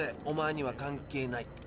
おまえには関係ない。